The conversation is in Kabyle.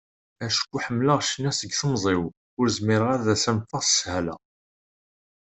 Acku ḥemmleɣ ccna seg temẓi-w, ur zmireɣ ara ad as-anfeɣ s sshala.